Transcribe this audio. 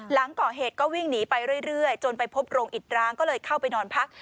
หลังก่อเหตุก็วิ่งหนีไปเรื่อยจนไปพบโรงอิดร้างก็เลยเข้าไปนอนพัก